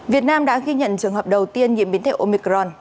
việt nam đã ghi nhận trường hợp đầu tiên nhiễm biến thể omicron